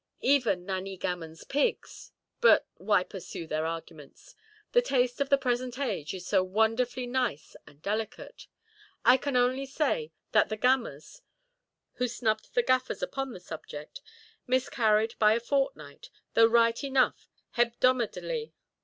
Even Nanny Gammonʼs pigs——But why pursue their arguments—the taste of the present age is so wonderfully nice and delicate. I can only say that the Gammers, who snubbed the Gaffers upon the subject, miscarried by a fortnight, though right enough hebdomadally.